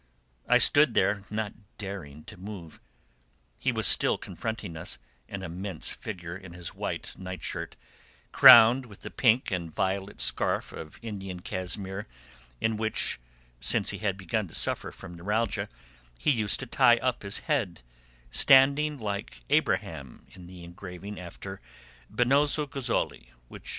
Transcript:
I stood there, not daring to move; he was still confronting us, an immense figure in his white nightshirt, crowned with the pink and violet scarf of Indian cashmere in which, since he had begun to suffer from neuralgia, he used to tie up his head, standing like Abraham in the engraving after Benozzo Gozzoli which M.